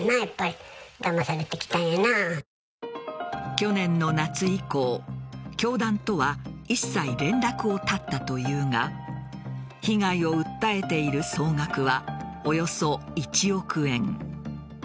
去年の夏以降、教団とは一切連絡を絶ったというが被害を訴えている総額はおよそ１億円。